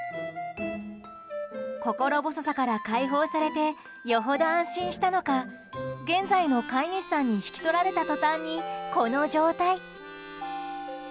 心細さから解放されてよほど安心したのか現在の飼い主さんに引き取られたとたんにこの状態。